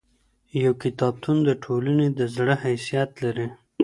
يو کتابتون د ټولني د زړه حيثيت لري.